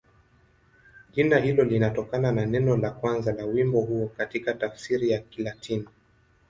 Jina hilo linatokana na neno la kwanza la wimbo huo katika tafsiri ya Kilatini.